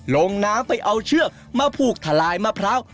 ลงน้ำไปเอาเชือกมาผูกทะลายมะพร้าว